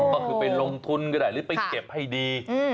ก็คือไปลงทุนก็ได้หรือไปเก็บให้ดี